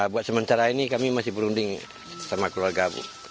buat sementara ini kami masih berunding sama keluarga bu